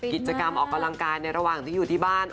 กิจกรรมออกกำลังกายในระหว่างที่อยู่ที่บ้าน